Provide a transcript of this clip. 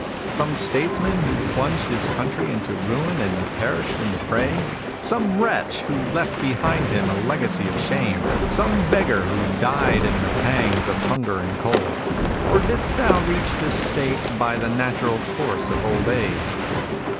— some statesman who plunged his country into ruin and perished in the fray ?— some wretch who left behind him a legacy of shame ?— some beggar who died in the pangs of hunger and cold ? Or didst thou reach this state by the natural course of old age